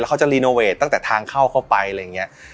เขาจะรีโนเวทตั้งแต่ทางเข้าเข้าไปอะไรอย่างนี้